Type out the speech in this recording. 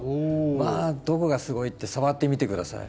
まあどこがすごいって触ってみて下さい。